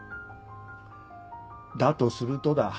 だとするとだ。